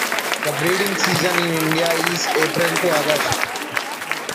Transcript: The breeding season in India is April to August.